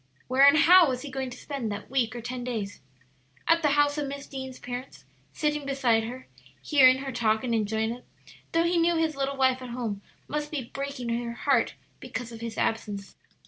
Where and how was he going to spend that week or ten days? At the house of Miss Deane's parents, sitting beside her, hearing her talk and enjoying it, though he knew his little wife at home must be breaking her heart because of his absence?